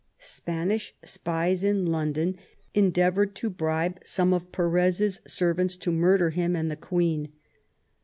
Spanish spies in London endeavoured to bribe some of Perez's servants to murder him and the Queen.